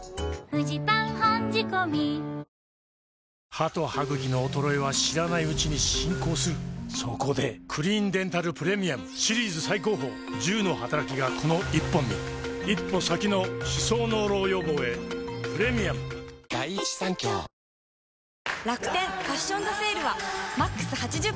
歯と歯ぐきの衰えは知らないうちに進行するそこで「クリーンデンタルプレミアム」シリーズ最高峰１０のはたらきがこの１本に一歩先の歯槽膿漏予防へプレミアム笑みを浮かべる女性。